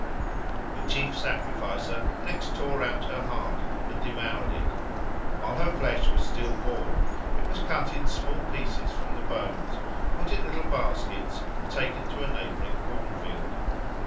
The chief sacrificer next tore out her heart and devoured it. While her flesh was still warm it was cut in small pieces from the bones, put in little baskets, and taken to a neighbouring corn field.